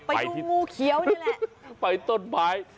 ไปดูงูเขียวนี่แหละ